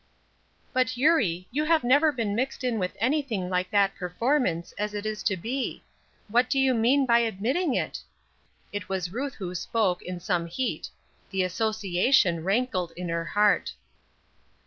"But, Eurie, you have never been mixed in with anything like that performance, as it is to be! What do you mean by admitting it?" It was Ruth who spoke, in some heat; the association rankled in her heart.